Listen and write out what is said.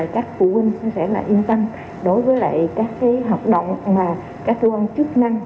các phụ huynh sẽ yên tâm đối với các hợp động mà các tư văn chức năng